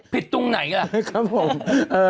ผิดตรงไหนล่ะตอบผิดเด็กไหนครับผม